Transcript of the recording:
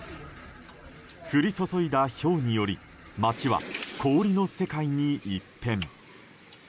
降り注いだひょうにより町は氷の世界に一変。